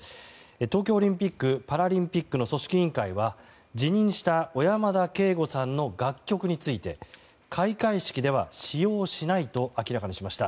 東京オリンピック・パラリンピックの組織委員会は辞任した小山田圭吾さんの楽曲について開会式では使用しないと明らかにしました。